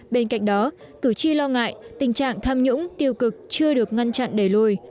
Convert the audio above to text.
bên cạnh đó cử tri lo ngại tình trạng tham nhũng tiêu cực chưa được ngăn chặn đẩy lùi